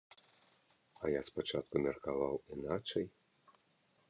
А я спачатку меркаваў іначай.